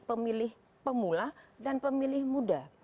pemilih pemula dan pemilih muda